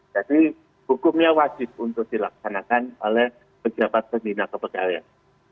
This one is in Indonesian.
jadi hukumnya wajib untuk dilaksanakan oleh pejabat pembinaan kepegawaian